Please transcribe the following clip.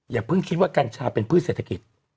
อย่าเพิ่งคิดว่ากัญชาเป็นพืชเศรษฐกิจ